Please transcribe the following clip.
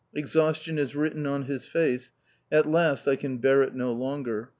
Exhaustion is written on his face. At last I can bear it no longer.